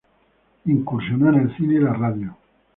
Incursionó en el cine y la radio.